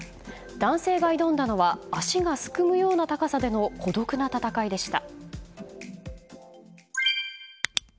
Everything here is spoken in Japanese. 男性が挑んだのは足がすくむような高さでの孤独な闘いでした。